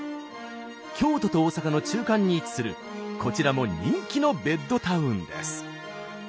京都と大阪の中間に位置するこちらも人気のベッドタウンです。